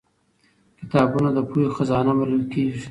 کتابونه د پوهې خزانه بلل کېږي